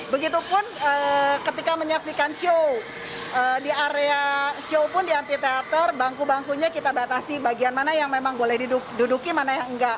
begitupun ketika menyaksikan show di area show pun di amphiteater bangku bangkunya kita batasi bagian mana yang memang boleh diduduki mana yang enggak